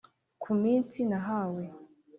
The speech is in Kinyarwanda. ko iminsi nahawe